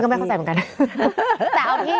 ไม่เข้าใจเหมือนกัน